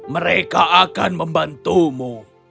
mereka akan membantumu